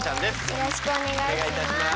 よろしくお願いします。